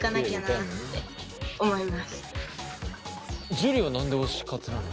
樹は何で推し活なの？